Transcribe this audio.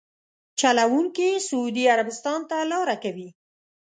چلونکي سعودي عربستان ته لاره کوي.